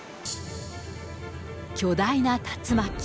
巨大な竜巻。